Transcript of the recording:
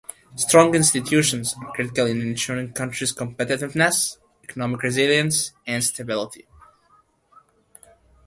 Strong institutions are critical in ensuring country's competitiveness, economic resilience and stability.